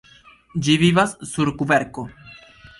Ĝi vivas sur kverko.